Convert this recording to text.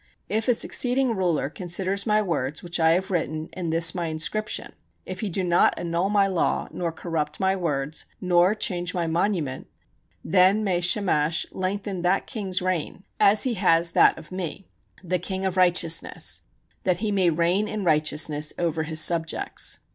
If a succeeding ruler considers my words, which I have written in this my inscription, if he do not annul my law, nor corrupt my words, nor change my monument, then may Shamash lengthen that king's reign, as he has that of me, the king of righteousness, that he may reign in righteousness over his subjects.